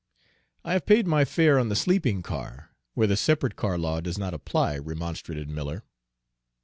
"I have paid my fare on the sleeping car, where the separate car law does not apply," remonstrated Miller.